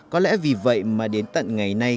có lẽ vì vậy mà đến tận ngày nay